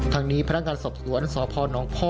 ทางนี้พนักการณ์สอบส่วนสพนพ